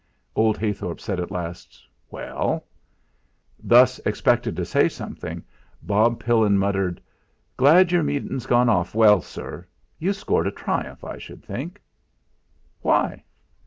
Old Heythorp said at last: "Well?" Thus expected to say something, Bob Pillin muttered "Glad your meetin' went off well, sir. You scored a triumph I should think." "Why?"